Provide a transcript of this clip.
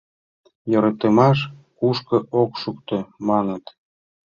йӧратымаш кушко ок шукто, маныт